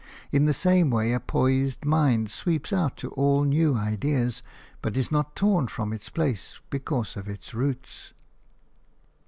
In the same way a poised mind sweeps out to all new ideas, but is not torn from its place because of its roots.